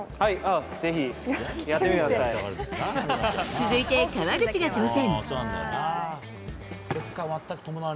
続いて、川口が挑戦。